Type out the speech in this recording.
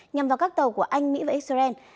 nhằm vào các tàu của anh mỹ và israel